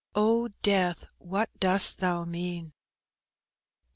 "oh, death! what dost thou mean?